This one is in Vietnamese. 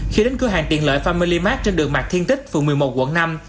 khi đến cửa hàng tiện lợi family mart trên đường mạc thiên tích phường một mươi một quận năm